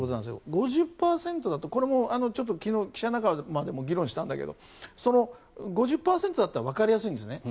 ５０％だとこれも昨日、記者仲間でも議論したんだけど５０％だったらわかりやすいんです。